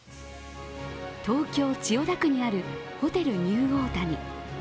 東京・千代田区にあるホテルニューオータニ。